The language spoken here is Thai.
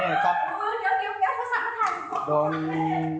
เดี๋ยวรูสักมาถ่ายถึงของตัว